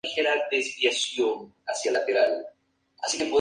Se encuentran en África: República Democrática del Congo y Zambia.